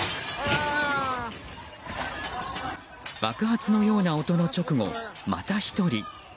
爆発のような音の直後また１人。